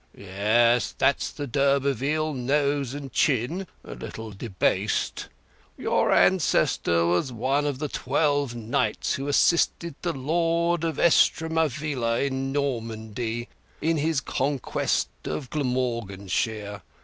Yes, that's the d'Urberville nose and chin—a little debased. Your ancestor was one of the twelve knights who assisted the Lord of Estremavilla in Normandy in his conquest of Glamorganshire.